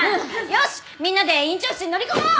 よしみんなで院長室に乗り込もう！